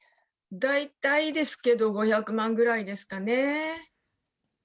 大体ですけども、５００万ぐらいですかね。